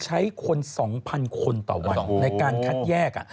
ใช้คน๒๐๐คนต่อวันในการคัดแยก